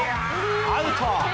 アウト。